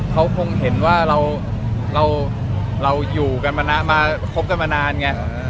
เขาคงเห็นว่าเราคบกันนานเอง